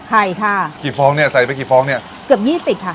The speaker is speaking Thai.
ไข่ค่ะกี่ฟองเนี้ยใส่ไปกี่ฟองเนี้ยเกือบยี่สิบค่ะ